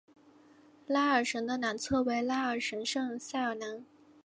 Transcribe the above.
拉尔什的南侧为拉尔什圣塞尔南。